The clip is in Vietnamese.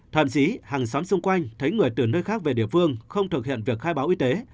thậm chí hàng xóm xung quanh thấy người từ nơi khác về địa phương không thực hiện việc khai báo y tế